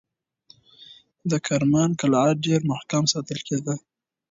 د کرمان قلعه ډېر محکم ساتل کېده.